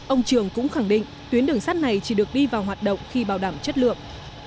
ông trường cũng khẳng định tuyến đường sắt này chỉ được đi vào hoạt động khi bảo đảm chất lượng